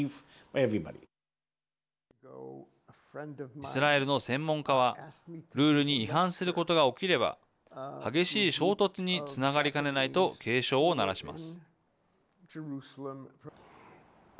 イスラエルの専門家はルールに違反することが起きれば激しい衝突につながりかねないと警鐘を鳴らします。